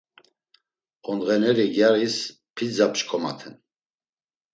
Ondğeneri gyaris pizza p̌ç̌ǩomaten.